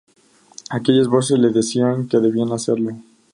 Aquellas voces le decían que debía hacerlo.